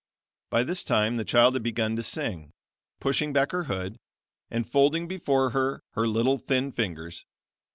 By this time the child had begun to sing, pushing back her hood, and folding before her her little thin fingers.